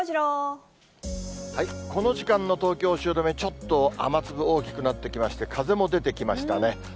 この時間の東京・汐留、ちょっと雨粒大きくなってきまして、風も出てきましたね。